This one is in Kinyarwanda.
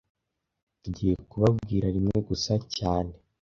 Tugiye kubabwira rimwe gusa cyane